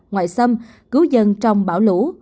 ngoại xâm cứu dân trong bão lũ